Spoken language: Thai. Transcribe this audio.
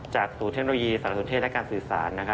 จากศูนย์เทคโนโลยีสารสุเทศและการสื่อสาร